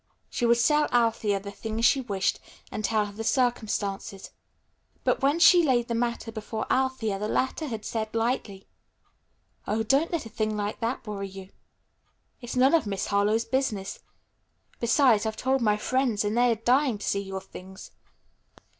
She would sell Althea the things she wished and tell her the circumstances. But when she laid the matter before Althea the latter had said lightly, "Oh, don't let a little thing like that worry you. It's none of Miss Harlowe's business. Besides, I've told my friends, and they are dying to see your things.